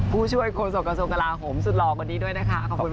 ผู้ช่วยโครงสรรค์กระทรวงกลาหมสุดหลอกวันนี้ด้วยนะคะ